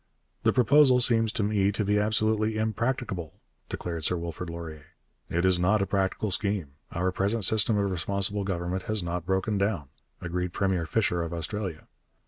'The proposal seems to me to be absolutely impracticable,' declared Sir Wilfrid Laurier. 'It is not a practical scheme; our present system of responsible government has not broken down,' agreed Premier Fisher of Australia.